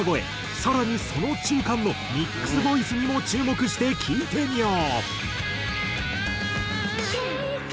更にその中間のミックスボイスにも注目して聴いてみよう。